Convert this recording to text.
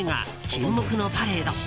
「沈黙のパレード」。